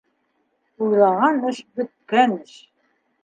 Уйлаған эш - бөткән эш.